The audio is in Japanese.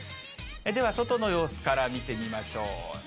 では外の様子から見てみましょう。